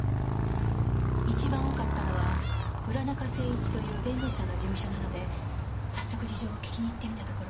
一番多かったのは浦中誠一という弁護士さんの事務所なので早速事情を聞きに行ってみたところ。